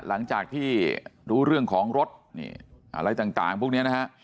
หลังจากที่รู้เรื่องของรถนี่อะไรต่างพวกนี้นะฮะ